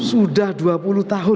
sudah dua puluh tahun